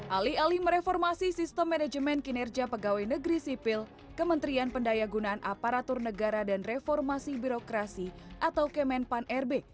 alih alih mereformasi sistem manajemen kinerja pegawai negeri sipil kementerian pendaya gunaan aparatur negara dan reformasi birokrasi atau kemenpan rb